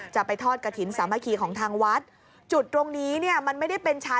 จะไปทอดกะถิ่นสามะขี่ของทางวัด